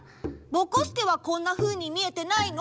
ぼこすけはこんなふうに見えてないの？